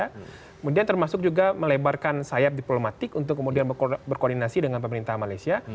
kemudian termasuk juga melebarkan sayap diplomatik untuk kemudian berkoordinasi dengan pemerintah malaysia